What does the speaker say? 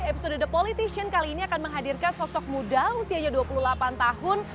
episode the politician kali ini akan menghadirkan sosok muda usianya dua puluh delapan tahun